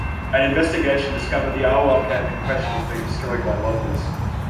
An investigation discovered the Awa camp in question had been destroyed by loggers.